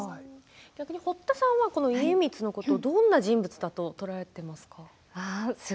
逆に堀田さんは家光のことをどんなふうに捉えていますか。